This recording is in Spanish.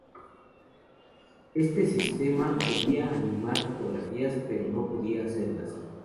Este sistema podía animar fotografías, pero no podía hacerlas.